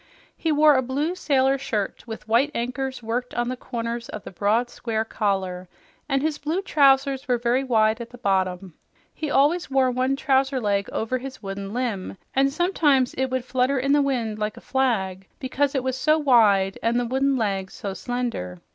He wore a blue sailor shirt with white anchors worked on the corners of the broad, square collar, and his blue trousers were very wide at the bottom. He always wore one trouser leg over his wooden limb and sometimes it would flutter in the wind like a flag because it was so wide and the wooden leg so slender.